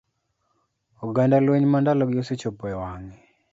Oganda lweny ma ndalogi osechopo e wang'e.